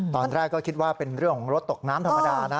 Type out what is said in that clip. ตอนแรกก็คิดว่าเป็นเรื่องของรถตกน้ำธรรมดานะ